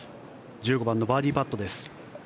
１５番のバーディーパットです。